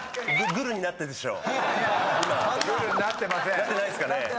なってないですかね？